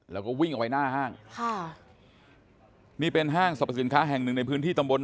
แล้วก็วิ่งเอาไว้หน้าห้างค่ะนี่เป็นห้างสรรพสินค้าแห่งหนึ่งในพื้นที่ตำบล